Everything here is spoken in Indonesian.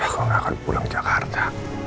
aku gak akan pulang jakarta